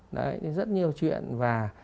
đấy rất nhiều chuyện và